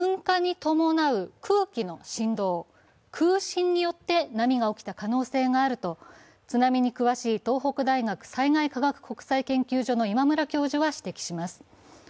しかし、今回の津波は噴火に伴う空気の振動、空振によって波が起きた可能性があると、津波に詳しい東北大学災害科学国際研究所の今村教授は指摘します。